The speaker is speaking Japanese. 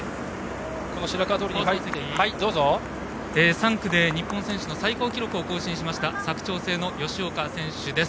３区で日本選手の最高記録を更新しました佐久長聖の吉岡選手です。